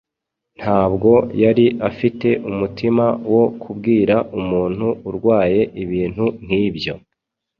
Ntabwo yari afite umutima wo kubwira umuntu urwaye ibintu nk'ibyo.